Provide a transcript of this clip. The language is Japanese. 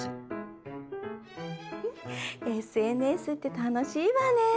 ＳＮＳって楽しいわね！